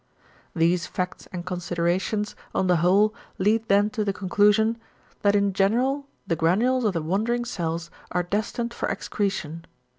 These facts and considerations, on the whole, lead then to the conclusion, =that in general the granules of the wandering cells are destined for excretion.